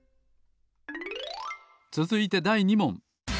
つづいてだい２もん。